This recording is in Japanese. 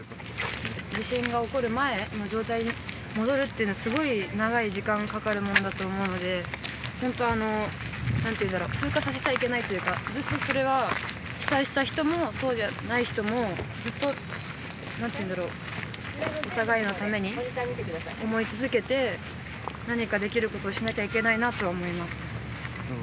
地震が起こる前の状態に戻るというのは、すごい長い時間かかるもんだと思うので、なんか、なんて言うんだろう、風化させちゃいけないというか、ずっとそれは、被災した人もそうじゃない人も、ずっとなんていうんだろう、お互いのために想い続けて、何かできることをしなきゃいけないなと思います。